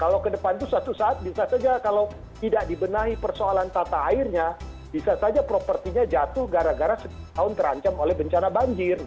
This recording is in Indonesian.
kalau ke depan itu suatu saat bisa saja kalau tidak dibenahi persoalan tata airnya bisa saja propertinya jatuh gara gara setahun terancam oleh bencana banjir